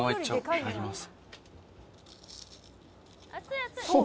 いただきます。